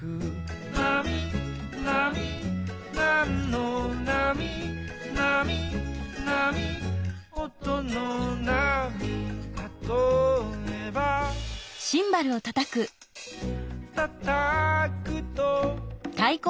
「なみなみなんのなみ」「なみなみおとのなみ」「たとえば」「たたくと」